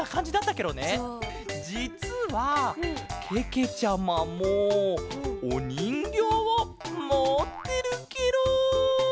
じつはけけちゃまもおにんぎょうをもってるケロ。